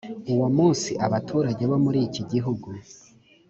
uwo munsi abaturage bo muri iki gihugu